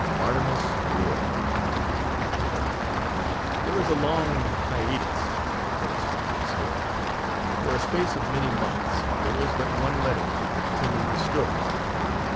ARTEMUS WARD There is a long hiatus in the correspondence here. For a space of many months there is but one letter to continue the story.